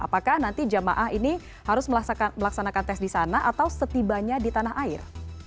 apakah nanti jemaah ini harus melaksanakan tes di sana atau setibanya di tanah air